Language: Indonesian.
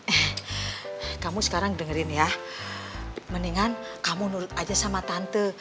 eh kamu sekarang dengerin ya mendingan kamu nurut aja sama tante